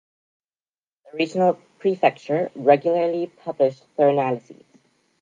The regional prefecture regularly published their analyses.